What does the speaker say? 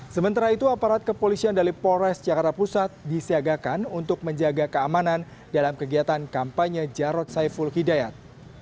sementara itu aparat kepolisian dari polres jakarta pusat disiagakan untuk menjaga keamanan dalam kegiatan kampanye jarod saiful hidayat